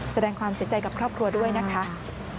แสดงความเสียใจกับครอบครัวด้วยนะคะ